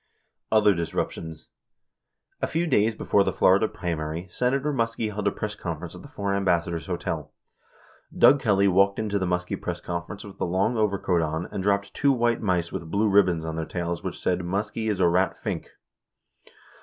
Other disruptions: A few days before the Florida primary, Senator Muskie held a press conference at the Four Ambassadors Hotel. Doug Kelly walked into the Muskie press conference with a long overcoat on, and dropped two white mice with blue ribbons on their tails which said, "Muskie is a Rat Fink."